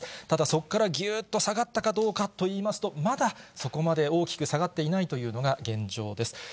ただ、そこからぎゅーっと下がったかどうかといいますと、まだそこまで大きく下がっていないというのが現状です。